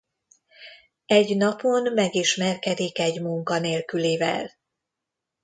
Egy napon megismerkedik egy munkanélkülivel.